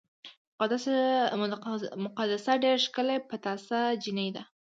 مقدسه ډېره ښکلې پټاسه جینۍ ده